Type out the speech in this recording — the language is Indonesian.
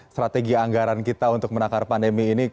strategi anggaran kita untuk menakar pandemi ini